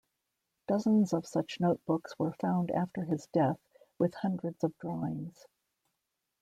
Dozens of such notebooks were found after his death with hundreds of drawings.